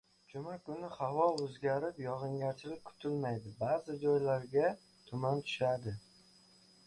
Juma kuni havo o‘zgarib turadi, yog‘ingarchilik kutilmaydi. Ba’zi joylarga tuman tushadi